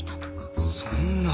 そんな。